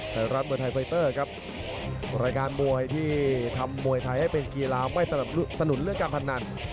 ไทยรัฐมวยไทยไฟเตอร์ครับรายการมวยที่ทำมวยไทยให้เป็นกีฬาไม่สนับสนุนเรื่องการพนัน